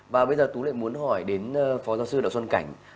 và bây giờ tú lệ muốn hỏi đến phó giáo sư đạo xuân cảnh